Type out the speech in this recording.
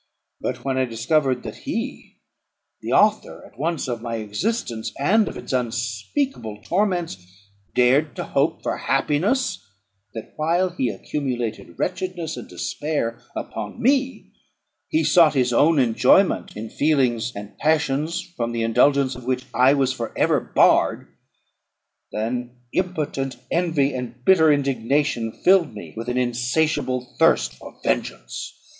But when I discovered that he, the author at once of my existence and of its unspeakable torments, dared to hope for happiness; that while he accumulated wretchedness and despair upon me, he sought his own enjoyment in feelings and passions from the indulgence of which I was for ever barred, then impotent envy and bitter indignation filled me with an insatiable thirst for vengeance.